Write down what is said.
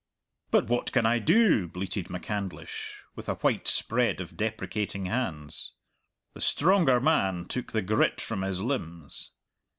"But what can I do?" bleated MacCandlish, with a white spread of deprecating hands. The stronger man took the grit from his limbs.